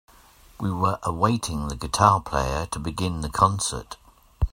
We were awaiting the guitar player to begin the concert.